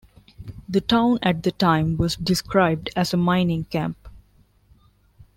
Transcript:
The town at that time was described as a mining camp.